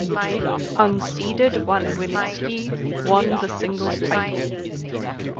Unseeded Van Winitsky won the singles title.